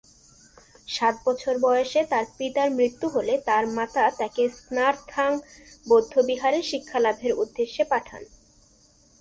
সাত বছর বয়সে তার পিতার মৃত্যু হলে তার মাতা তাকে স্নার-থাং বৌদ্ধবিহারে শিক্ষালাভের উদ্দেশ্যে পাঠান।